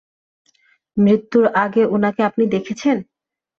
মৃত্যুর আগে উনাকে আপনি দেখেছেন?